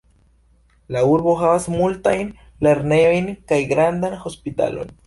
La urbo havas multajn lernejojn kaj grandan hospitalon.